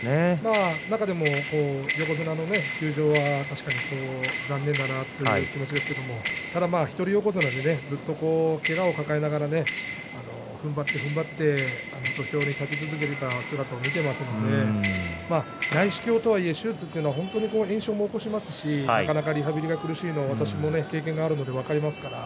中でも横綱の休場は確かに残念だなという気持ちですけどただ一人横綱でずっとけがを抱えながらふんばってふんばって土俵に立ち続けていた姿を見ていますので内視鏡とはいえ手術は炎症も起こしますし、なかなかリハビリが苦しいのも私は経験があるので分かります。